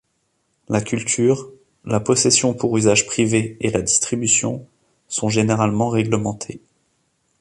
La culture, la possession pour usage privé et la distribution sont généralement réglementées.